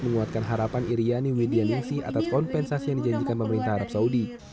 menguatkan harapan iryani widianingsi atas kompensasi yang dijanjikan pemerintah arab saudi